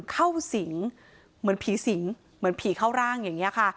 เข้าสิงเหมือนผีสิงเหมือนผีเข้าร่างอย่างนี้ค่ะ